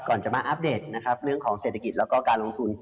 ก่อนจะมาอัปเดตนะครับเรื่องของเศรษฐกิจแล้วก็การลงทุน